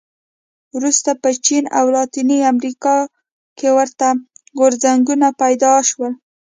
وروسته په چین او لاتینې امریکا کې ورته غورځنګونه پیدا شول.